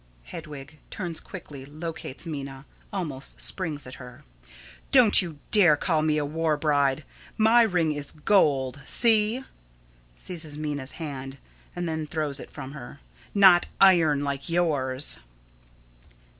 Hedwig: [Turns quickly, locates Minna, almost springs at her.] Don't you dare to call me a war bride! My ring is gold. See. [Seizes Minna's hand, and then throws it from her.] Not iron, like yours.